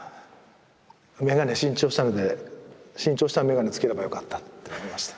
眼鏡新調したので新調した眼鏡つければよかったって思いました。